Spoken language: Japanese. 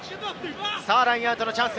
ラインアウトのチャンス。